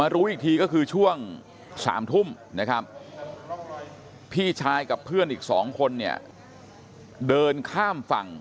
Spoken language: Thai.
รู้อีกทีก็คือช่วง๓ทุ่มนะครับพี่ชายกับเพื่อนอีก๒คนเนี่ยเดินข้ามฝั่ง